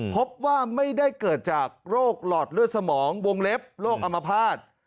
พบว่าไม่ได้เกิดจากโรคหลอดเลือดสมองวงเล็บโรคอมภาษณ์